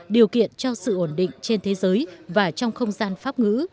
điều kiện cho sự ổn định trên thế giới và trong không gian pháp ngữ